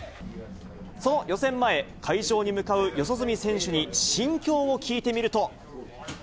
その予選前、会場に向かう四十住選手に心境を聞いてみると。